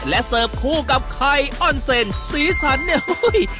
และเสิร์ฟคู่กับไข่ออนเซ็นสีสันเนี่ยอุ้ย